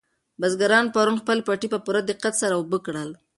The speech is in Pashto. بزګرانو پرون خپل پټي په پوره دقت سره اوبه کړل.